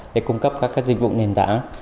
để cung cấp các dịch vụ nền tảng